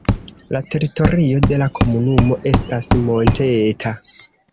La teritorio de la komunumo estas monteta.